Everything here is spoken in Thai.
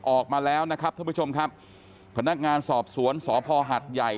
ออกมาแล้วนะครับท่านผู้ชมครับพนักงานสอบสวนสพหัดใหญ่